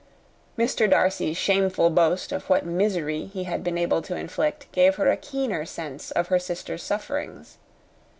Mr. Darcy's shameful boast of what misery he had been able to inflict gave her a keener sense of her sister's sufferings.